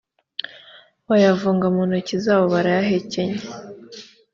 bayavunga mu ntoki zabo barayahekenya